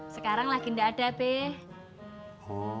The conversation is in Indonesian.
sekarang lagi nggak ada beh